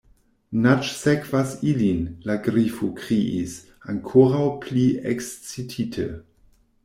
"Naĝsekvas ilin," la Grifo kriis, ankoraŭ pli ekscitite.